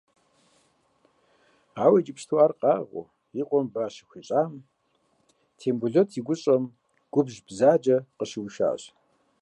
Ауэ иджыпсту ар къэгъыу и къуэм ба щыхуищӏам, Тембулэт и гущӏэм губжь бзаджэ къыщыушащ.